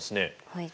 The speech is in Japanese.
はい。